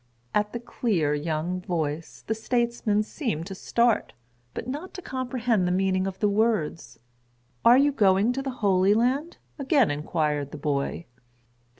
At the clear, young voice, the statesman seemed to start, but not to comprehend the meaning of the words. "Are you going to the Holy Land,?" again inquired the boy.